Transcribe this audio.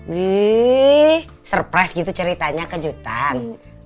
wih surprise gitu ceritanya kejutan